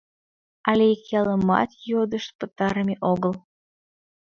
— Але ик ялымат йодышт пытарыме огыл.